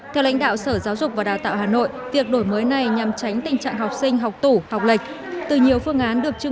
theo lãnh đạo sở giáo dục và đào tạo hà nội việc đổi mới này nhằm tránh tình trạng học sinh học tủ học lệch